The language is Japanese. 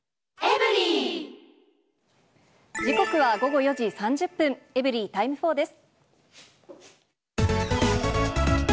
時刻は午後４時３０分、エブリィタイム４です。